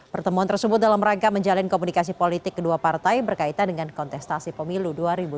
pertemuan tersebut dalam rangka menjalin komunikasi politik kedua partai berkaitan dengan kontestasi pemilu dua ribu dua puluh